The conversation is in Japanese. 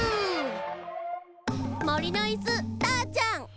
もりのいすターちゃん。